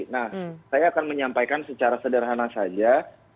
nah saya akan menyampaikan secara sederhana saja